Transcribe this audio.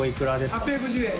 ８５０円。